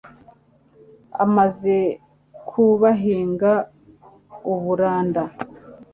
Amaze ku bahinga uburanda